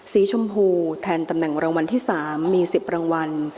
สีชมพูแทนตำแหน่งรางวัลที่๓มี๑๐รางวัล